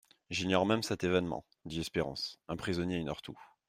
J'ignore même cet événement, dit Espérance, un prisonnier ignore tout.